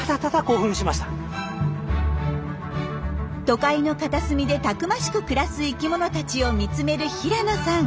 都会の片隅でたくましく暮らす生きものたちを見つめる平野さん。